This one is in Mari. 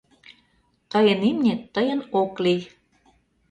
— Тыйын имнет тыйын ок лий.